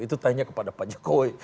itu tanya kepada pak jokowi